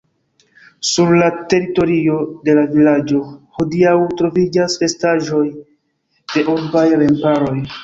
Sur la teritorio de la vilaĝo hodiaŭ troviĝas restaĵoj de urbaj remparoj.